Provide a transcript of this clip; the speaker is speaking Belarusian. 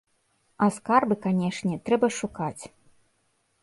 А скарбы, канечне, трэба шукаць.